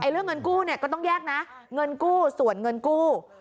เรื่องเงินกู้เนี่ยก็ต้องแยกนะเงินกู้ส่วนเงินกู้